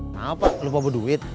kenapa lu bobo duit